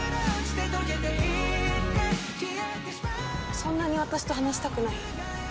「そんなに私と話したくない？」